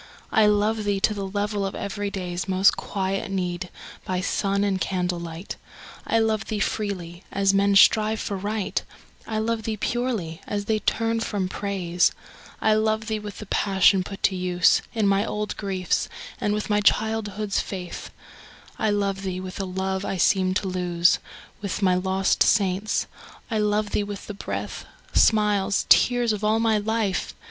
I love thee to the level of every day's Most quiet need, by sun and candlelight. I love thee freely, as men strive for Right; I love thee purely, as they turn from Praise ; I love thee with the passion put to use In my old griefs, and with my childhood's faith ; I love thee with a love I seemed to lose With my lost saints; I love thee with the breath, Smiles, tears, of all my life